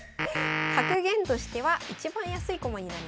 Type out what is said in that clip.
格言としては一番安い駒になります。